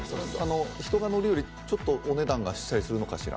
人が乗るよりちょっとお値段がしたりするのかしら。